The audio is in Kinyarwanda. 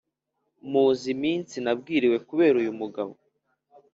muzi iminsi nabwiriwe kubera uyu mugabo,